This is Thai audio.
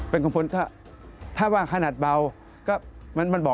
เป็นกลุ่มผลถ้าว่าขนาดเบา